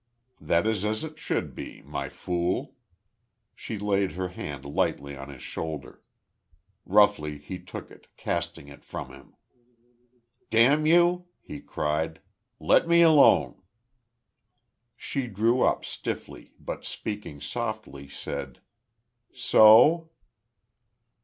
That is as it should be, My Fool." She laid her hand lightly on his shoulder. Roughly he took it, casting it from him. "Damn you!" he cried. "Let me alone!" She drew up, stiffly, but speaking softly, said, "So?"